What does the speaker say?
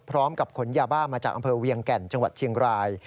พร้อมกับขนยาบ้ามาจากอำเภอเวียงแก่นจังหวัดเชียงราย